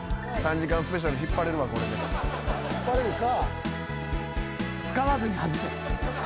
引っ張れるか。